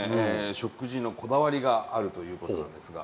食事のこだわりがあるということなのですが。